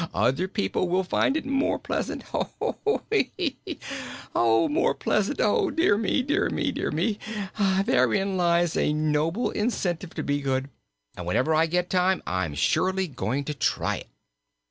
'Other people will find it more pleasant!' hee, hee, heek, keek! 'more pleasant.' Dear me dear me! Therein lies a noble incentive to be good, and whenever I get time I'm surely going to try it."